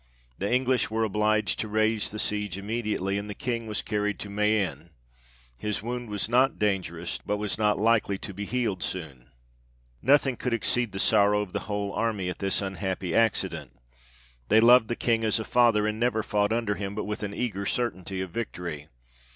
The English were obliged to raise the siege immediately, and the King was carried to Mayenne ; his wound was i May 7, 1919, PARIS RECOVERED BY THE FRENCH. 53 not dangerous, but was not likely to be healed soon. Nothing could exceed the sorrow of the whole army at this unhappy accident ; they loved the King as a father, and never fought under him but with an eager certainty of victory.